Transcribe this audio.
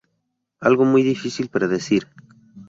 Algo muy difícil predecir.